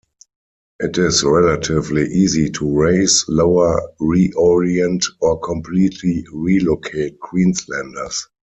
It is relatively easy to raise, lower, reorient or completely relocate Queenslanders.